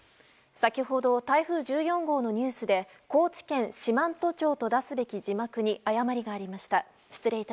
先ほど台風１４号のニュースで高知県四万十町と出すべき字幕に誤りがありました。